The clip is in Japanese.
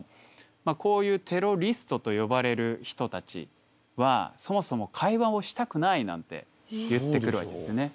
こういうテロリストと呼ばれる人たちはそもそも会話をしたくないなんて言ってくるわけですね。